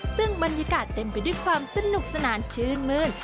ซึ่งบรรยากาศเต็มไปด้วยความสนุกสนานชื่นมืน